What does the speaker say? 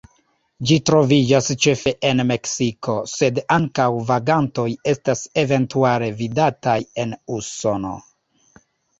Ĝi troviĝas ĉefe en Meksiko, sed ankaŭ vagantoj estas eventuale vidataj en Usono.